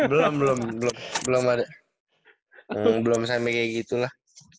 belum belum belum ada belum sampai kayak gitu lah